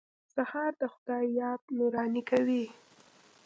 سهار د خدای یاد نوراني کوي.